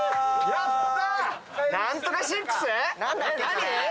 やった！